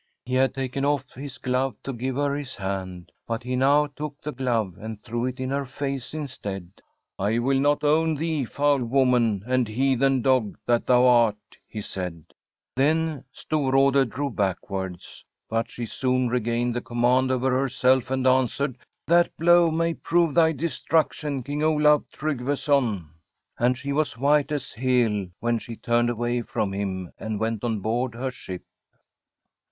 He had taken off his glove to give her his hand ; but he now took the glove and threw it in her face instead. ' I will not own thee, foul woman and heathen dog that thou art !' he said. From a SWEDISH HOMESTEAD Then Storrade drew backwards. But she soon regained the command over herself^ and an swered :' That blow may prove thy destruction. King Olaf Trygveson.' And she was white as Hel when she turned away from him and went on board her ship.